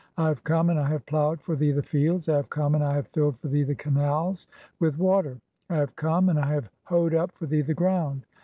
(16) "I have come, and I have ploughed 1 for thee the fields. (17) "I have come, and I have filled for thee the canals with "water. (18) "I have come, and I have hoed up for thee the ground.